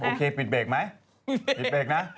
ปิดเบรกไหมปิดเบรกนะ